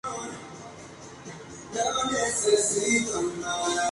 Se fue en conflicto con parte de la dirigencia.